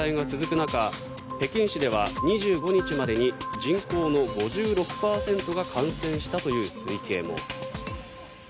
中北京市では２５日までに人口の５６％が感染したという推計も。